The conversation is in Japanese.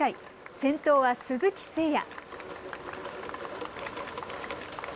先頭は鈴木誠也。